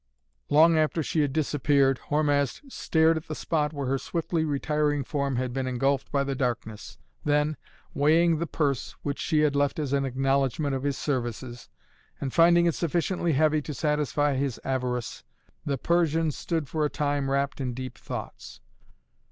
Long after she had disappeared Hormazd stared at the spot where her swiftly retiring form had been engulfed by the darkness. Then, weighing the purse, which she had left as an acknowledgment of his services, and finding it sufficiently heavy to satisfy his avarice, the Persian stood for a time wrapped in deep thoughts.